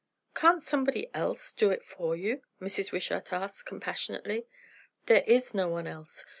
"Can't somebody else do it for you?" Mrs. Wishart asked compassionately. "There is no one else.